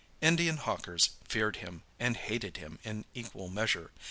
Indian hawkers feared him and hated him in equal measure.